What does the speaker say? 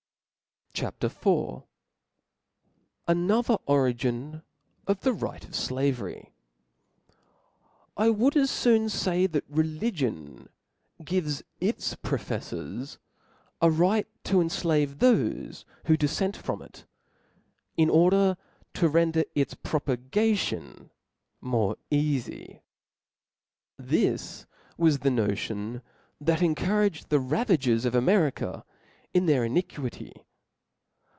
CHAP. IV. Another Origin of the Right cf Slavery. T WOULD as foon fay that religion gives its •*• profeflbrs a right to enflave thofe who diffent from it, in order to render its propagation more This Was the notion that encouraged the ravagcrs Hift. o£ of America in their iniquity